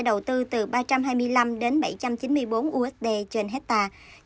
đầu tư từ ba trăm hai mươi năm đến bảy trăm chín mươi bốn usd trên hectare